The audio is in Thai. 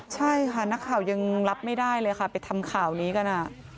ใช่ค่ะนักข่าวยังรับไม่ได้เลยค่ะไปทำข่าวนี้กัน